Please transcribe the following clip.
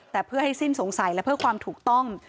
แต่เพื่อให้สิ้นสงสัยและเพื่อความถูกต้อง